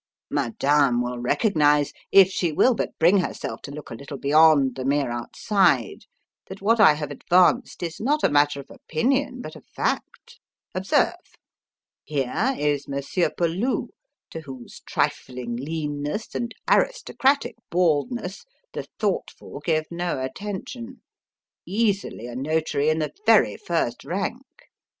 "Madame will recognize if she will but bring herself to look a little beyond the mere outside that what I have advanced is not a matter of opinion but of fact. Observe: Here is Monsieur Peloux to whose trifling leanness and aristocratic baldness the thoughtful give no attention easily a notary in the very first rank.